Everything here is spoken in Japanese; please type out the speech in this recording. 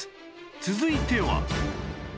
続いては